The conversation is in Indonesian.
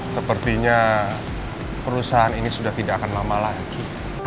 sepertinya perusahaan ini sudah tidak akan lama lagi